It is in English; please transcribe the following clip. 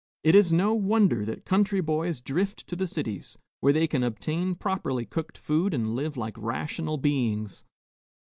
It is no wonder that country boys drift to the cities, where they can obtain properly cooked food and live like rational beings.